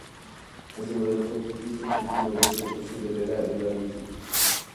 Este modelo fue visto por última vez en la posesión de Leela en Gallifrey.